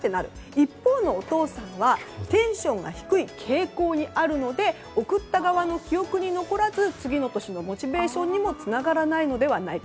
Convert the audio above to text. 一方のお父さんはテンションが低い傾向にあるので贈った側の記憶に残らず次の年のモチベーションにもつながらないのではないか。